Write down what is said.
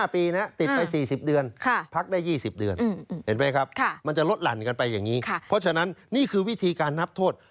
เพราะฉะนั้นนี่คือวิธีการนับโทษ